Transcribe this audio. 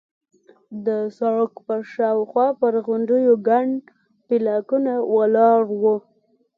د سړک پر شاوخوا پر غونډیو ګڼ بلاکونه ولاړ وو.